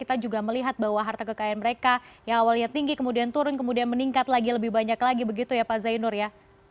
kita juga melihat bahwa harta kekayaan mereka yang awalnya tinggi kemudian turun kemudian meningkat lagi lebih banyak lagi begitu ya pak zainur ya